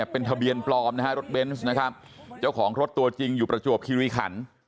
เป็นทะเบียนปลอมนะฮะรถเบนส์นะครับเจ้าของรถตัวจริงอยู่ประจวบคิริขัน